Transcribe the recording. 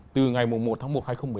từ ngày một tháng một hai nghìn một mươi